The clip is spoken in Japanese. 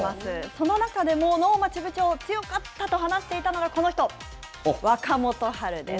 その中でも能町部長、強かったと話していたのがこの人若元春です。